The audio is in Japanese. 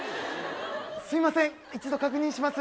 すいません一度確認します。